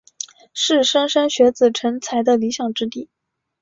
是莘莘学子成才的理想之地。